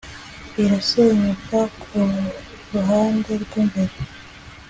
irasenyuka ku ruhande rw’imbere